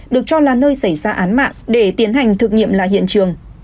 được cho là nơi xảy ra án mạng để tiến hành thực nghiệm lại hiện trường